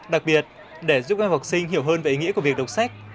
đặc biệt để giúp các em học sinh hiểu hơn về ý nghĩa của việc đọc sách